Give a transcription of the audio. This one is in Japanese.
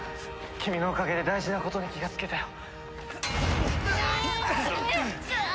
君のおかげで大事なことに気がつけたよ。